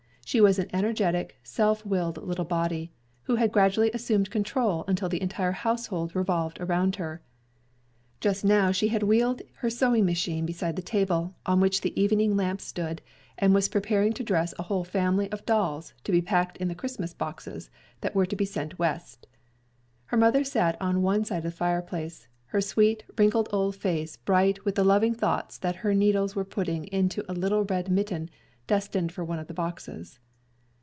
She was an energetic, self willed little body, and had gradually assumed control until the entire household revolved around her. Just now she had wheeled her sewing machine beside the table, on which the evening lamp stood, and was preparing to dress a whole family of dolls to be packed in the Christmas boxes that were soon to be sent West. Her mother sat on one side of the fireplace, her sweet, wrinkled old face bright with the loving thoughts that her needles were putting into a little red mitten, destined for one of the boxes.